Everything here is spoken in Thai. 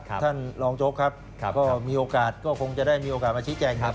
ท่านรองโจ๊กครับก็มีโอกาสก็คงจะได้มีโอกาสมาชี้แจงครับ